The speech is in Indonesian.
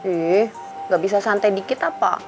eh gak bisa santai dikit apa